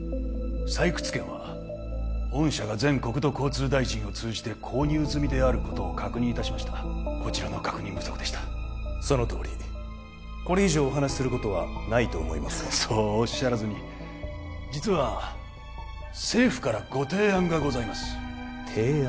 採掘権は御社が前国土交通大臣を通じて購入済みであることを確認いたしましたこちらの確認不足でしたそのとおりこれ以上お話しすることはないと思いますがそうおっしゃらずに実は政府からご提案がございます提案？